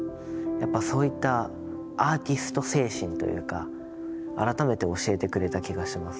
やっぱそういったアーティスト精神というか改めて教えてくれた気がしますね。